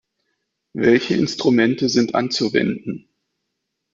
Welche Instrumente sind anzuwenden?